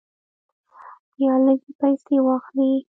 یا لږې پیسې واخلې.